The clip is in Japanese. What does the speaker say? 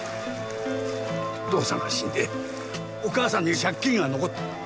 お父さんが死んでお母さんには借金が残った。